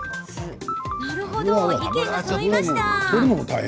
なるほど意見がそろいました。